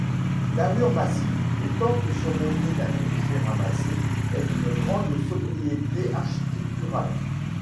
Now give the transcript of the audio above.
D’allure massive, le temple, surmonté d'un clocher ramassé, est d’une grande sobriété architecturale.